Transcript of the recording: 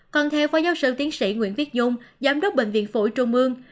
còn theo khoa giáo sư tiến sĩ nguyễn viết dung giám đốc bệnh viện phủy trung mương